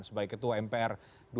sebagai ketua mpr dua ribu sembilan belas